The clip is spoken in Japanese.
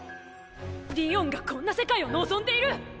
りおんがこんな世界を望んでいる！？